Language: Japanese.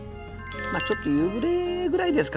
ちょっと夕暮れぐらいですかね？